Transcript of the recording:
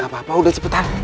gak apa apa udah cepetan